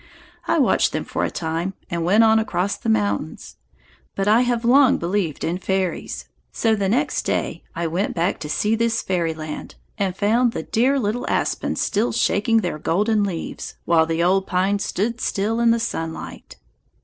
I watched them for a time and went on across the mountains; but I have long believed in fairies, so the next day I went back to see this fairyland and found the dear little aspens still shaking their golden leaves, while the old pine stood still in the sunlight.